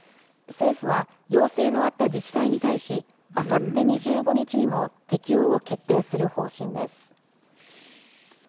政府は要請のあった自治体に対し、あさって２５日にも適用を決定する方針です。